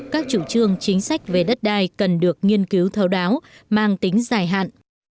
các chủ trương chính sách về đất đai cần được nghiên cứu thấu đáo mang tính dài hạn